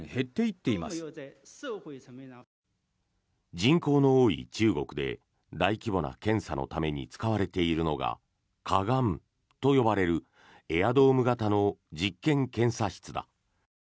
人口の多い中国で大規模な検査のために使われているのが火眼と呼ばれるエアドーム型の実験検査室だ。